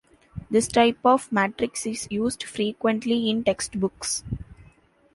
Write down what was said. This type of matrix is used frequently in textbooks.